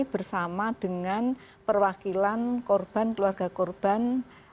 bersama dengan perwakilan korban keluarga korban